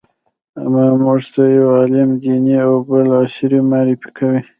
اما موږ ته يو علم دیني او بل عصري معرفي کوي.